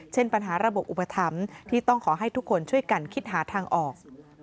ปัญหาระบบอุปถัมภ์ที่ต้องขอให้ทุกคนช่วยกันคิดหาทางออก